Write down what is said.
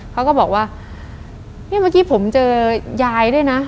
เขาก็บอกว่านี่เมื่อกี้ผมเจอยายด้วยนะ